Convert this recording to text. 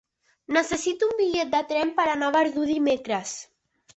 Necessito un bitllet de tren per anar a Verdú dimecres.